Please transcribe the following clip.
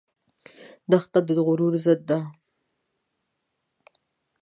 دښته د غرور ضد ده.